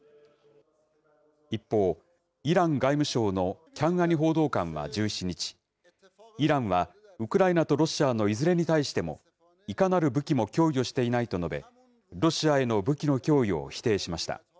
一方、イラン外務省のキャンアニ報道官は１７日、イランは、ウクライナとロシアのいずれに対しても、いかなる武器も供与していないと述べ、ロシアへの武器の供与を否定しました。